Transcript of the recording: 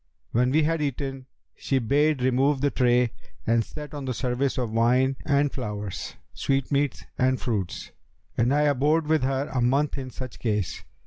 When we had eaten she bade remove the tray and set on the service of wine and flowers, sweetmeats and fruits; and I abode with her a month in such case.